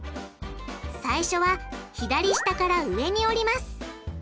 最初は左下から上に折ります。